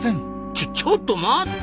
ちょちょっと待った！